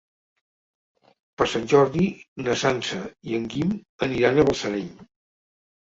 Per Sant Jordi na Sança i en Guim aniran a Balsareny.